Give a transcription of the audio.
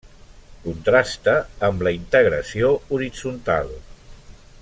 Contrasta amb la integració horitzontal.